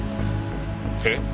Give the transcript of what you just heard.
えっ？